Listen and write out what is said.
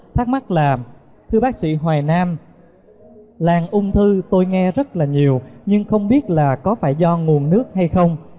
thắc mắc là thưa bác sĩ hoài nam làng ung thư tôi nghe rất là nhiều nhưng không biết là có phải do nguồn nước hay không